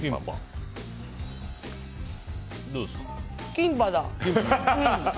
キンパだ！